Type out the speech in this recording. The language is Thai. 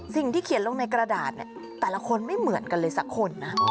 สิ่งที่เขียนลงในกระดาษแต่ละคนไม่เหมือนกันเลยสักคน